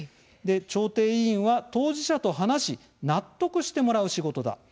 調停委員は、当事者と話し納得してもらう仕事だ。